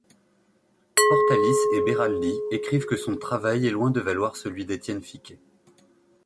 Portalis et Beraldi écrivent que son travail est loin de valoir celui d'Étienne Ficquet.